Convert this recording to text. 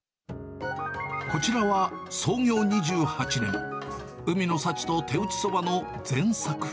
こちらは創業２８年、海の幸と手打ちそばの善作。